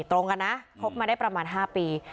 ตรงกันนะคบมาได้ประมาณ๕ปี